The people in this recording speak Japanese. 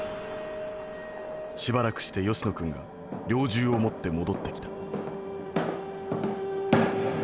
しばらくして吉野君が猟銃を持って戻ってきた」。